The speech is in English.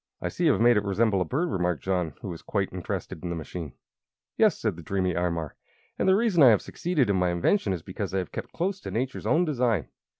"I see you have made it resemble a bird," remarked John, who was quite interested in the machine. "Yes," said the dreamy Imar, "and the reason I have succeeded in my invention is because I have kept close to Nature's own design.